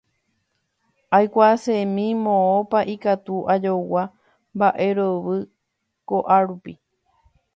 Aikuaasemi moõpa ikatu ajogua mba'erovy ko'árupi.